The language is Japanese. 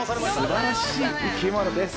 「すばらしい生き物です。